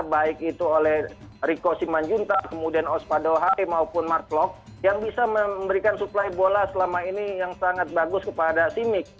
baik itu oleh riko simanjunta kemudian osvado hai maupun mark klok yang bisa memberikan supply bola selama ini yang sangat bagus kepada simic